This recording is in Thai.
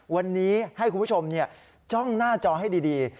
วันนี้ให้คุณผู้ชมจ้องหน้าจอให้ดี